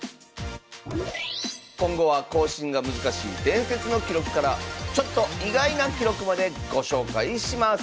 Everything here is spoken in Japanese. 今後は更新が難しい伝説の記録からちょっと意外な記録までご紹介します